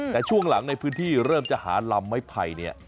แต่ช่วงหลังในพื้นที่เริ่มจะหาลำไม้ไผ่เนี่ย